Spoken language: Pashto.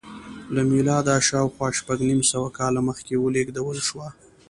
له میلاده شاوخوا شپږ نیم سوه کاله مخکې ولېږدول شوه